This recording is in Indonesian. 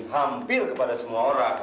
hampir kepada semua orang